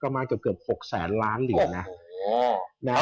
ก็มาเกือบ๖๐๐ล้านเหลือนะโอ้โห